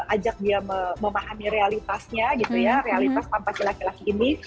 ajak dia memahami realitasnya gitu ya realitas tanpa si laki laki ini